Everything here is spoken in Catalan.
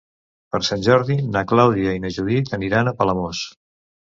Per Sant Jordi na Clàudia i na Judit aniran a Palamós.